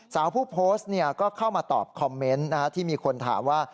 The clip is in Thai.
สาวผู้โพสต์ก็เข้ามาตอบคอมเมนต์ที่มีคนถามว่า